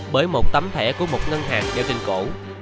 bởi một tấm thẻ của một ngân hàng đeo trên cổ